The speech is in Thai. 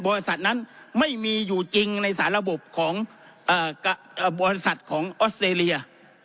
บริษัทนั้นไม่มีอยู่จริงในสารระบบของบริษัทของออสเตรเลีย